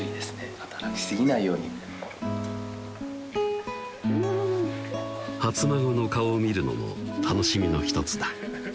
働き過ぎないように初孫の顔を見るのも楽しみの一つだ